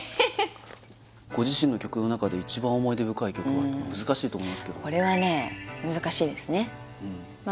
ご自身の曲の中で一番思い出深い曲は難しいと思いますけどこれはね難しいですねまあ